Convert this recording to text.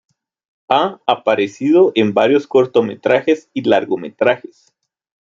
Ha aparecido en varios cortometrajes y largometrajes.